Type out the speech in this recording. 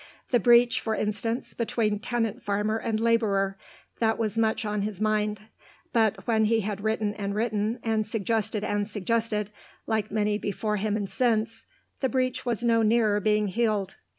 The breach, for instance, between tenant farmer and labourer; that was much on his mind. But, when he had written and written, and suggested and suggested, like many before him and since, the breach was no nearer being healed.